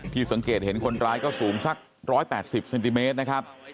พี่สังเกตเห็นคนร้ายก็สูงสักร้อยแปดสิบเซนติเมตรนะครับ